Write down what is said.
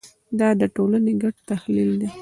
دا د ټولنې ګډ تخیل دی.